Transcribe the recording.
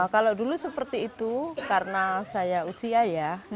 kalau dulu seperti itu karena saya usia ya